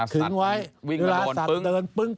ถึงไว้เวลาสัตว์เดินปึ้ง